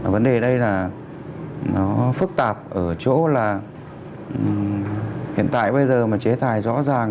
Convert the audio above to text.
vấn đề này phức tạp ở chỗ hiện tại bây giờ chế tài rõ ràng